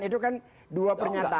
itu kan dua pernyataan